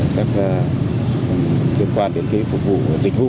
các liên quan đến phục vụ dịch vụ